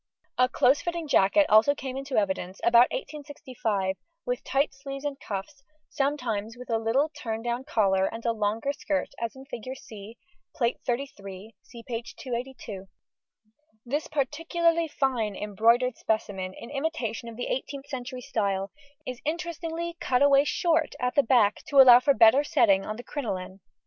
A close fitting jacket also came into evidence till about 1865 with tight sleeves and cuffs, sometimes with a little turn down collar and a longer skirt as in Fig. C, Plate XXXIII (see p. 282). This particularly fine embroidered specimen, in imitation of the 18th century style, is interestingly cut away short at the back to allow for better setting on the crinoline.